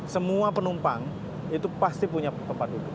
semua penumpang itu pasti punya tempat duduk